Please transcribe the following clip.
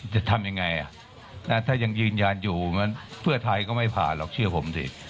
จะทำยังไงถ้ายังยืนยันอยู่เพื่อไทยก็ไม่ผ่านหรอกเชื่อผมสิ